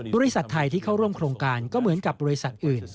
บริษัทไทยที่เข้าร่วมโครงการก็เหมือนกับบริษัทอื่น